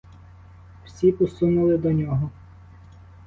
Всі посунули до нього.